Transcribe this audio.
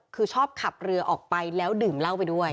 คือชอบขับเรือออกไปแล้วดื่มเหล้าไปด้วย